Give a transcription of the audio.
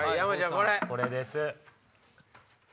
これです。